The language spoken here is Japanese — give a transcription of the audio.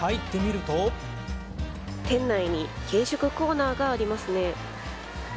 店内に軽食コーナーがありますね。